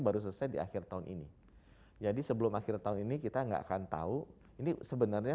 baru selesai di akhir tahun ini jadi sebelum akhir tahun ini kita enggak akan tahu ini sebenarnya